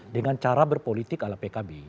dengan cara berpolitik ala pkb